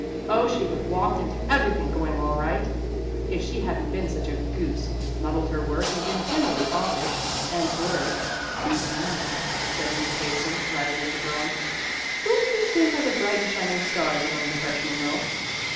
Oh, she'd have walked into everything going all right, if she hadn't been such a goose muddled her work and been generally offish and horrid." "Too bad," said Miss Payson, rising with a groan. "Who do you think are the bright and shining stars among the freshmen, Lil?"